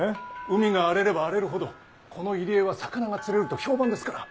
海が荒れれば荒れるほどこの入り江は魚が釣れると評判ですから！